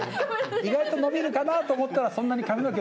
意外と伸びるかなと思ったらそんなに髪の毛。